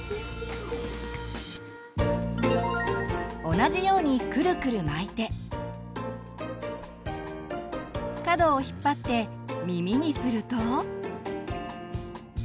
同じようにくるくる巻いて角をひっぱって耳にすると。